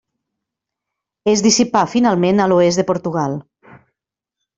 Es dissipà finalment a l'oest de Portugal.